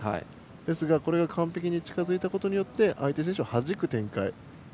ですがこれが完璧に近づいたことによって相手選手をはじく展開。